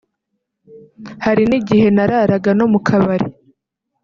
hari n’igihe nararaga no mu kabari